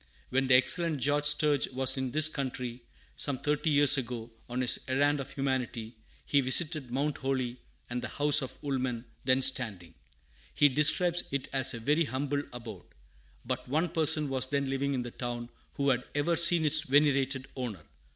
When the excellent Joseph Sturge was in this country, some thirty years ago, on his errand of humanity, he visited Mount Holly, and the house of Woolman, then standing. He describes it as a very "humble abode." But one person was then living in the town who had ever seen its venerated owner.